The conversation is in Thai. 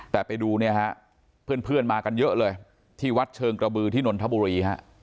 แต่ไปดูเนี่ยฮะเพื่อนมากันเยอะเลยที่วัดเชิงกระบือที่นนทบุรีฮะ